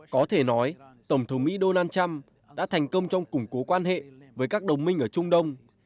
có thể nói tổng thống mỹ donald trump đã thành công trong củng cố quan hệ với các đồng minh ở trung đông